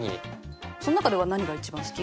そん中では何が一番好き？